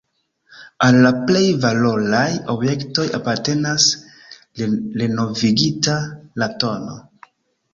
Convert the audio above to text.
Al la plej valoraj objektoj apartenas renovigita, la tn.